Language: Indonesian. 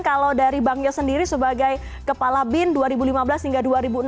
kalau dari bang yos sendiri sebagai kepala bin dua ribu lima belas hingga dua ribu enam belas